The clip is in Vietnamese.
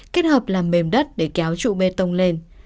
kết hợp làm mềm đất để kéo trụ bê tông lên